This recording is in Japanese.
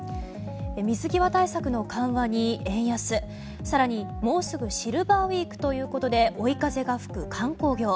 水際対策の緩和に円安更にもうすぐシルバーウィークということで追い風が吹く観光業。